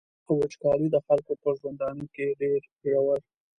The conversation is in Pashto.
وچکالي د خلکو په ژوندانه کي ډیر ژور.